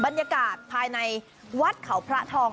บรรยากาศภายในวัดเขาพระทอง